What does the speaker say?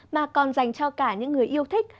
mà còn dành cho cả những người yêu thích